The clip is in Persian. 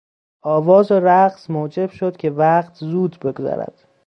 آواز و رقص موجب شد که وقت زود بگذرد.